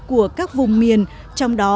của các vùng miền trong đó